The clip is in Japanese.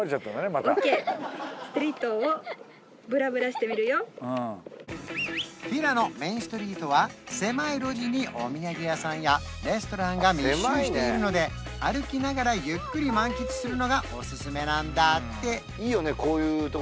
またフィラのメインストリートは狭い路地にお土産屋さんやレストランが密集しているので歩きながらゆっくり満喫するのがおすすめなんだっていいよね